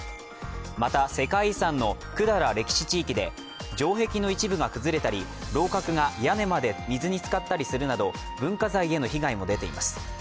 また、世界遺産の百済歴史地域で城壁の一部が崩れたり楼閣が屋根まで水につかったりするなど文化財への被害も出ています。